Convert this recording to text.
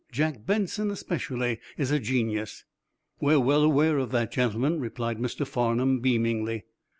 John Benson especially is a genius." "We are well aware of that, gentlemen," replied Mr. Farnum beamingly.